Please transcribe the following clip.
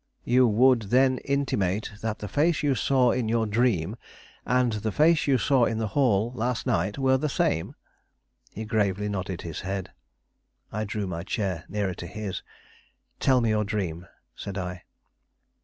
"You would then intimate that the face you saw in your dream and the face you saw in the hall last night were the same?" He gravely nodded his head. I drew my chair nearer to his. "Tell me your dream," said I.